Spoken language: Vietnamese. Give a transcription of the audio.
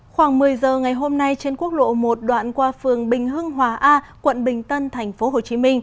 khoảng một mươi giờ ngày hôm nay trên quốc lộ một đoạn qua phường bình hưng hòa a quận bình tân tp hcm